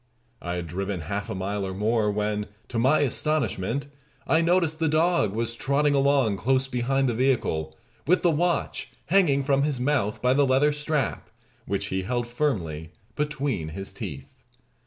I had driven half a mile or more, when, to my astonishment, I noticed the dog was trotting along close behind the vehicle with the watch hanging from his mouth by the leather strap, which he held firmly between his teeth.